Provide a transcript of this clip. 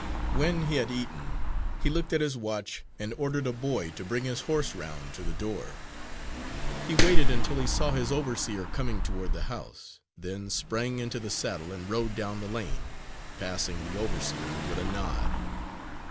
When he had eaten he looked at his watch, and ordered a boy to bring his horse round to the door. He waited until he saw his overseer coming toward the house, then sprang into the saddle and rode down the lane, passing the overseer with a nod.